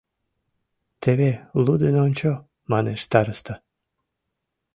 Теве лудын ончо, — манеш староста.